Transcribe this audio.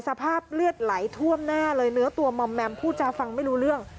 สภาพเลือดไหลท่วมหน้าเลยเนื้อตัวมอมแมมพูดจาฟังไม่รู้เรื่อง